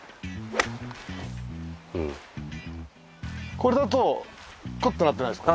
これだとクッてなってないですか？